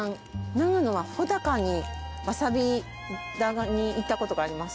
長野は穂高にワサビ田に行ったことがあります。